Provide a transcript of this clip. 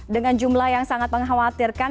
dengan jumlah yang sangat mengkhawatirkan